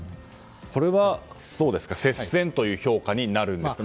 これは接戦という評価になるんですか？